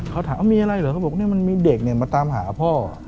เขาถามว่ามีอะไรเหรอเขาบอกว่ามีเด็กมาตามหาพ่อ